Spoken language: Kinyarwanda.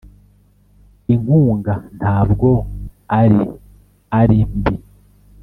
Inkunga ntabwo ari ari mbi